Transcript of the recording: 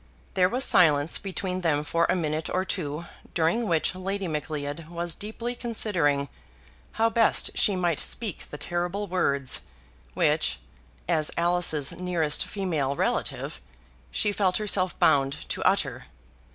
There was silence between them for a minute or two, during which Lady Macleod was deeply considering how best she might speak the terrible words, which, as Alice's nearest female relative, she felt herself bound to utter.